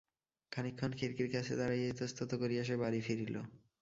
খানিকক্ষণ খিড়কির কাছে দাঁড়াইয়া ইতস্তত করিয়া সে বাড়ি ফিরিল।